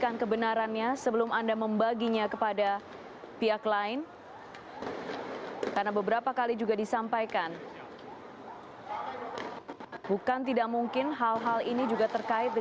jangan lupa pembahasannya jangan lupa pembahasannya teman teman